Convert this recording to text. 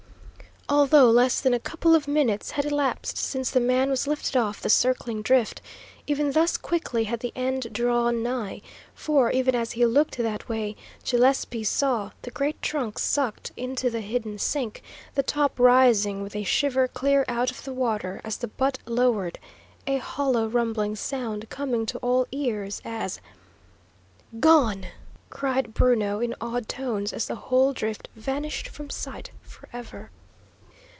Although less than a couple of minutes had elapsed since the man was lifted off the circling drift, even thus quickly had the end drawn nigh; for, even as he looked that way, Gillespie saw the great trunk sucked into the hidden sink, the top rising with a shiver clear out of the water as the butt lowered, a hollow, rumbling sound coming to all ears as "Gone!" cried Bruno, in awed tones, as the whole drift vanished from sight for ever.